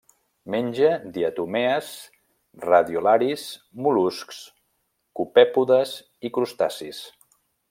Menja diatomees, radiolaris, mol·luscs, copèpodes i crustacis.